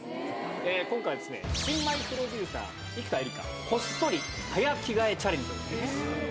今回はですね、新米プロデューサー、生田絵梨花、こっそり早着替えチャレンジでございます。